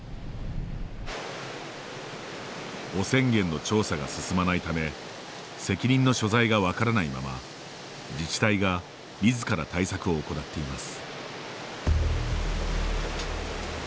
汚染源の調査が進まないため責任の所在が分からないまま自治体がみずから対策を行っています。